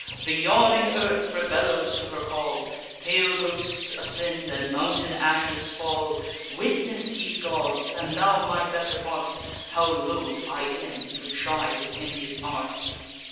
The yawning earth rebellows to her call, Pale ghosts ascend, and mountain ashes fall. Witness, ye gods, and thou my better part, How loth I am to try this impious art!